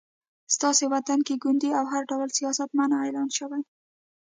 ستاسې وطن کې ګوندي او هر ډول سیاست منع اعلان شوی